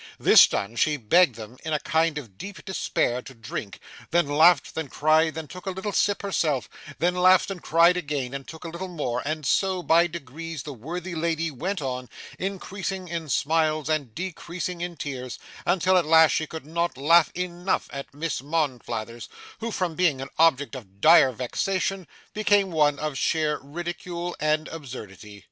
This done, she begged them in a kind of deep despair to drink; then laughed, then cried, then took a little sip herself, then laughed and cried again, and took a little more; and so, by degrees, the worthy lady went on, increasing in smiles and decreasing in tears, until at last she could not laugh enough at Miss Monflathers, who, from being an object of dire vexation, became one of sheer ridicule and absurdity.